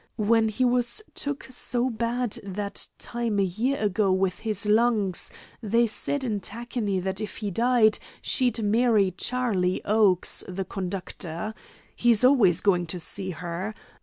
When he was took so bad that time a year ago with his lungs, they said in Tacony that if he died she'd marry Charley Oakes, the conductor. He's always going to see her.